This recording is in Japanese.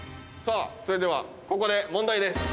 それではここで問題です。